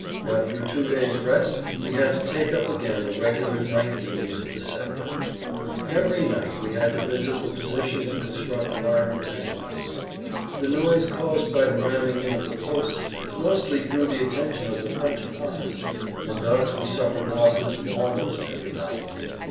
After a two days' rest we had to take up again the regular night duties of the sapper. Every night we had to visit the position to construct wire entanglements. The noise caused by the ramming in of the posts mostly drew the attention of the French upon us, and thus we suffered losses almost every night.